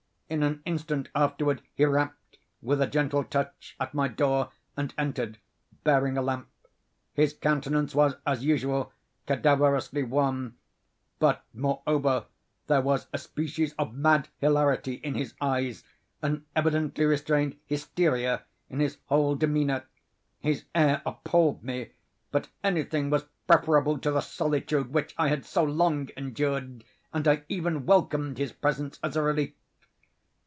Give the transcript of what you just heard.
In an instant afterward he rapped, with a gentle touch, at my door, and entered, bearing a lamp. His countenance was, as usual, cadaverously wan—but, moreover, there was a species of mad hilarity in his eyes—an evidently restrained hysteria in his whole demeanor. His air appalled me—but anything was preferable to the solitude which I had so long endured, and I even welcomed his presence as a relief.